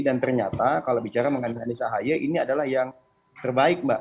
dan ternyata kalau bicara mengenai anies ahy ini adalah yang terbaik mbak